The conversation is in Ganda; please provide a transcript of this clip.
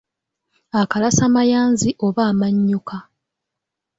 Akalasa mayanzi oba amannyuka.